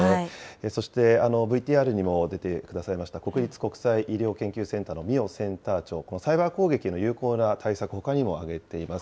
そしてＶＴＲにも出てくださいました、国立国際医療研究センターの美代センター長、このサイバー攻撃への有効な対策、ほかにも挙げています。